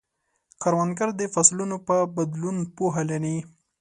کروندګر د فصلونو په بدلون پوهه لري